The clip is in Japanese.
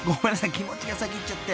気持ちが先行っちゃって］